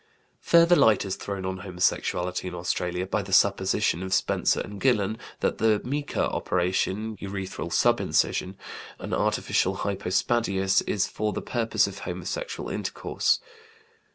Further light is thrown on homosexuality in Australia by the supposition of Spencer and Gillen that the mika operation (urethral subincision), an artificial hypospadias, is for the purpose of homosexual intercourse.